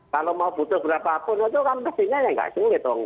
kalau mau butuh berapapun itu kan pastinya ya nggak sulit dong